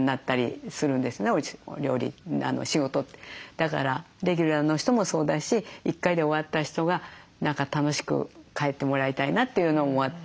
だからレギュラーの人もそうだし１回で終わった人が何か楽しく帰ってもらいたいなというのもあって。